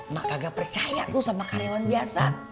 mak kagak percaya tuh sama karyawan biasa